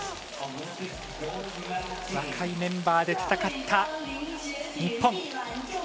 若いメンバーで戦った日本。